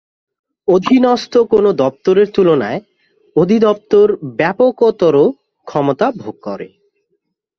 অধীনস্থ কোনো দপ্তরের তুলনায় অধিদপ্তর ব্যাপকতর ক্ষমতা ভোগ করে।